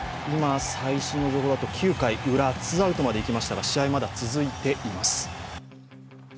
最新の情報だと９回ウラ、ツーアウトまでいきましたが、試合はまだ続いています。